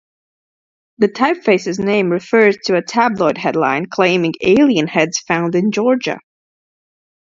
The typeface's name referred to a tabloid headline claiming Alien heads found in Georgia.